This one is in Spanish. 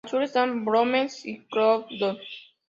Al sur están Bromley y Croydon.